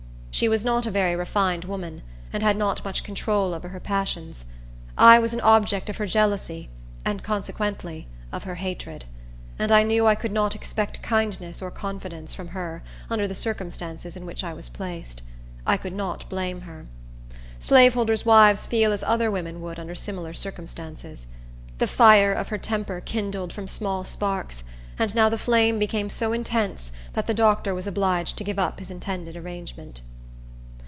She was not a very refined woman, and had not much control over her passions. I was an object of her jealousy, and, consequently, of her hatred; and I knew I could not expect kindness or confidence from her under the circumstances in which I was placed. I could not blame her. Slaveholders' wives feel as other women would under similar circumstances. The fire of her temper kindled from small sparks, and now the flame became so intense that the doctor was obliged to give up his intended arrangement.